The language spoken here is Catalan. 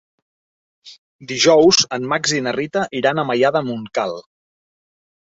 Dijous en Max i na Rita iran a Maià de Montcal.